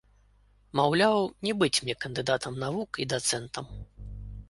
Маўляў, не быць мне кандыдатам навук і дацэнтам.